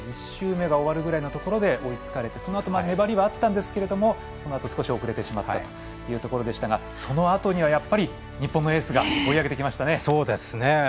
１周目が終わるくらいのところで追いつかれてそのあと粘りはあったんですけれどもそのあと少し遅れてしまったというところでしたがそのあとには、日本のエースが追い上げてきました。